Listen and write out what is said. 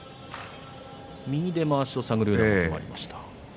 右でまわしを探るようなしぐさがありました。